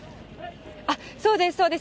そうです、そうです。